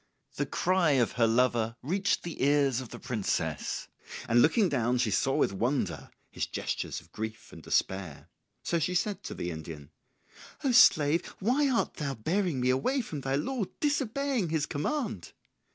The cry of her lover reached the ears of the princess, and looking down she saw with wonder his gestures of grief and despair. So she said to the Indian, "O slave, why art thou bearing me away from thy lord, disobeying his command?"